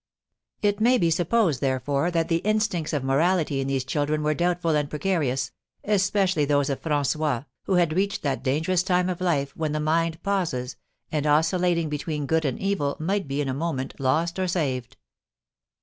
It may be supposed, therefore, that the instincts of morality in these children were doubtful and precarious, especially those of François, who had reached that dangerous time of life when the mind pauses, and, oscillating between good and evil, might be in a moment lost or saved.